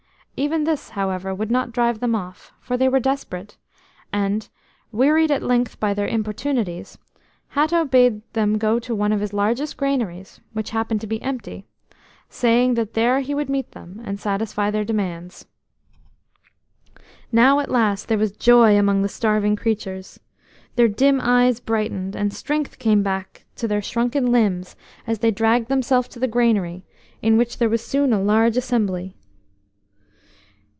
Even this, however, would not drive them off, for they were desperate, and, wearied at length by their importunities, Hatto bade them go to one of his largest granaries, which happened to be empty, saying that there he would meet them and satisfy their demands. Now at last there was joy among the starving creatures. Their dim eyes brightened, and strength came back to their shrunken limbs as they dragged themselves to the granary, in which there was soon a large assembly.